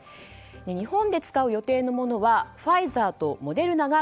日本で使う予定のものはファイザーとモデルナが